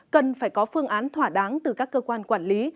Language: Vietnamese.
cần phải có phương án thỏa đáng từ các cơ quan quản lý